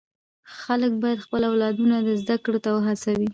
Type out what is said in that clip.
خلک باید خپل اولادونه و زده کړو ته و هڅوي.